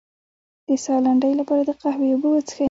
د ساه لنډۍ لپاره د قهوې اوبه وڅښئ